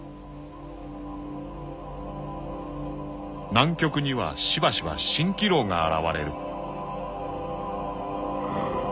［南極にはしばしば蜃気楼が現れる］